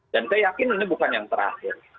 dan saya yakin ini bukan yang terakhir